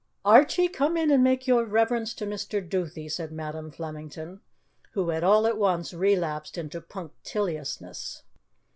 "Archie, come in and make your reverence to Mr. Duthie," said Madam Flemington, who had all at once relapsed into punctiliousness.